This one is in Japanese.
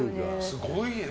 すごいね。